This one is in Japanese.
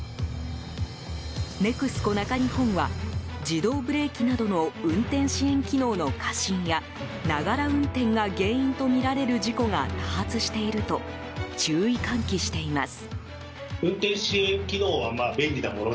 ＮＥＸＣＯ中日本は自動ブレーキなどの運転支援機能の過信やながら運転が原因とみられる事故が多発していると注意喚起しています。